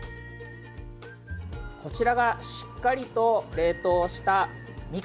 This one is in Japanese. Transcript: こちらが、しっかりと冷凍したみかんです。